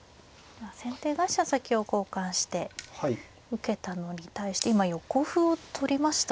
先手が飛車先を交換して受けたのに対して今横歩を取りましたね。